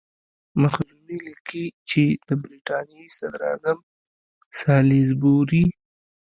مخزومي لیکي چې د برټانیې صدراعظم سالیزبوري.